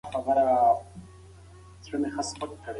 روبوټونه په فابریکو کې د درنو وسایلو په لېږد کې کارول کیږي.